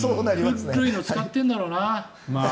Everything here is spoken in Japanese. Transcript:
古いの使っているんだろうな。